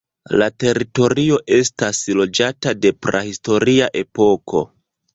La teritorio estas loĝata de prahistoria epoko.